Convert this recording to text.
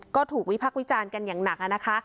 ก็ถูกวิพักษ์วิจารณ์กันอย่างหนักนะคะ